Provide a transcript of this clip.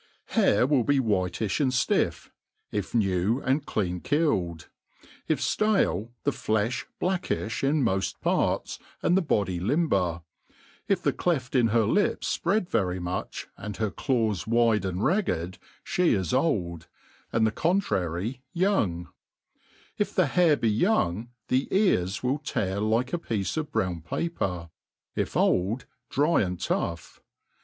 HARE will be whitifb and ftiff, if oaew and clean killed i if fialen the flefli blackiih in moft parts, and the body limber, if the cleft in her lips fpread very much, and her claws wide and rag ged, flie is old, and the contrary young ; i( the bare be young, the ears will tear I'Jce a piece of brown p2^>er ; if old, dry and tough.